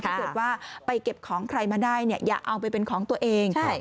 ถ้าเกิดว่าไปเก็บของใครมาได้อย่าเอาไปเป็นของตัวเอง